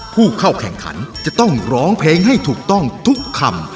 ผู้เข้าแข่งขันจะต้องร้องเพลงให้ถูกต้องทุกคำ